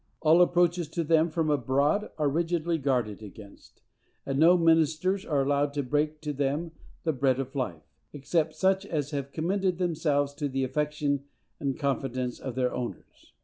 All approaches to them from abroad are rigidly guarded against, and no ministers are allowed to break to them the bread of life, except such as have commended themselves to the affection and confidence of their owners.